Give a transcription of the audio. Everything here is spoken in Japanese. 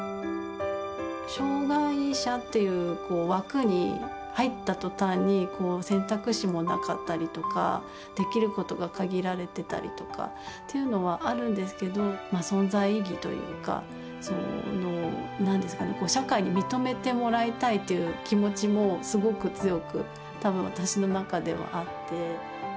障がい者っていう枠に入った途端に、選択肢もなかったりとか、できることが限られていたりとかというのはあるんですけど、存在意義というか、その、なんですかね、社会に認めてもらいたいという気持ちもすごく強く、たぶん私の中ではあって。